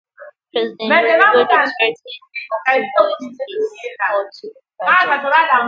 President Rodrigo Duterte also voiced his support to the project.